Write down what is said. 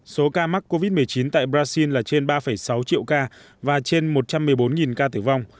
số ca mắc covid một mươi chín tại brazil là trên ba sáu triệu ca và trên một trăm một mươi bốn ca tử vong